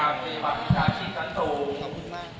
สิ่งที่ขอบคุณมาก